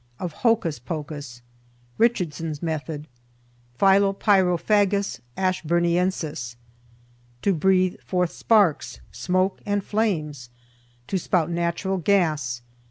OF HOCUS POCUS. RICHARDSON'S METHOD. PHILOPYRAPHAGUS ASHBURNIENSIS. TO BREATHE FORTH SPARKS, SMOKE, AND FLAMES. TO SPOUT NATURAL GAS.